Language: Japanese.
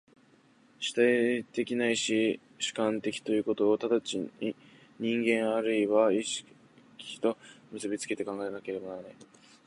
主体的ないし主観的ということを直ちに人間或いは意識と結び付けて考えてはならない。